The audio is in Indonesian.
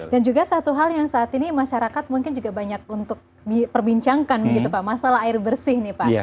dan juga satu hal yang saat ini masyarakat mungkin juga banyak untuk diperbincangkan gitu pak masalah air bersih nih pak